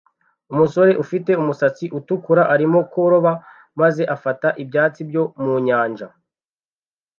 Umusore ufite umusatsi utukura arimo kuroba maze afata ibyatsi byo mu nyanja